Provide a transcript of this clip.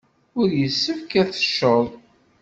Ur yessefk ad tecced.